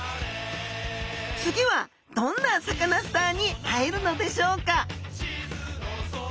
次はどんなサカナスターに会えるのでしょうか？